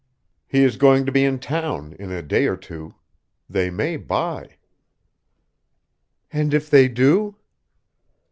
He is going to be in town in a day or two. They may buy." "And if they do?"